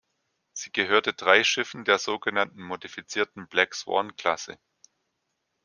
Sie gehörte drei Schiffen der sogenannten modifizierten "Black-Swan"-Klasse.